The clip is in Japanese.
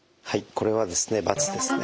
これはですね×ですね。